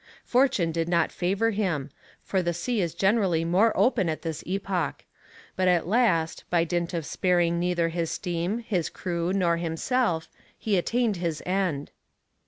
Fortune did not favour him, for the sea is generally more open at this epoch. But at last, by dint of sparing neither his steam, his crew, nor himself, he attained his end.